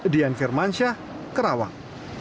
dian firmansyah kerawang